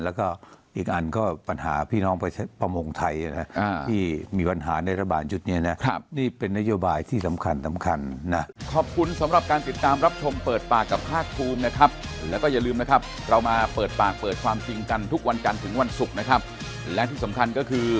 แล้วก็อีกอันก็ปัญหาพี่น้องประมงไทยที่มีปัญหาในระบานจุดนี้นี่เป็นนโยบายที่สำคัญ